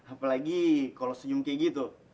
apalagi kalau senyum kayak gitu